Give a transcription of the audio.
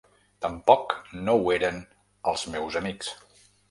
Tampoc no ho eren els meus amics.